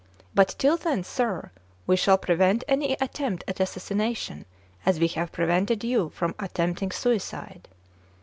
But till then, sir, we shall prevent any attempt at assassination, as we have prevented you from at tempting suicide."